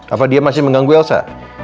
apa dia masih mengganggu elsa